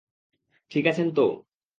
ঠিক আছেন তো?